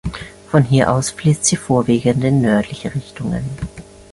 Von hier aus fließt sie vorwiegend in nördliche Richtungen.